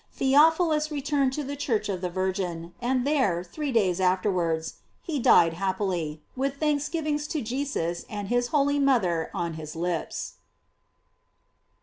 Theophi lus returned to the church of the Virgin, and there, three days afterwards, he died hap pily, with thanksgivings to Jesus and his holy mother on his lips.